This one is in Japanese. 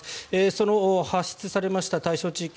その発出されました対象地域